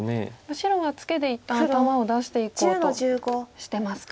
白はツケで一旦頭を出していこうとしてますか。